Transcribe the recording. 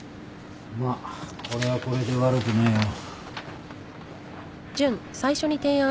まあこれはこれで悪くねぇよ。